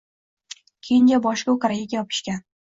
Kenja boshi ko‘kragiga yopishgan.